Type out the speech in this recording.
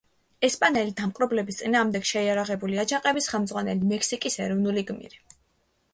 ესპანელი დამპყრობლების წინააღმდეგ შეიარაღებული აჯანყების ხელმძღვანელი, მექსიკის ეროვნული გმირი.